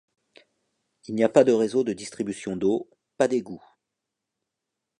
Il n’y a pas de réseau de distribution d’eau, pas d’égouts.